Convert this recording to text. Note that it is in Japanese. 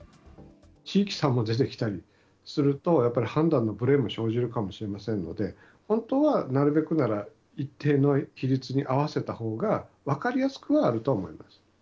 地域差も出てきたりすると、やっぱり判断のぶれも生じるかもしれませんので、本当はなるべくなら、一定の比率に合わせたほうが、分かりやすくはあるとは思います。